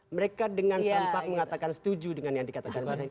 mereka dengan sempat mengatakan setuju dengan yang dikatakan